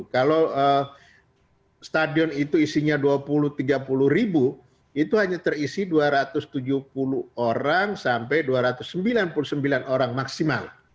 kalau stadion itu isinya dua puluh tiga puluh ribu itu hanya terisi dua ratus tujuh puluh orang sampai dua ratus sembilan puluh sembilan orang maksimal